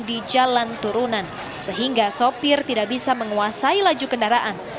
di jalan turunan sehingga sopir tidak bisa menguasai laju kendaraan